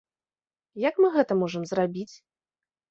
Як мы гэта можам зрабіць?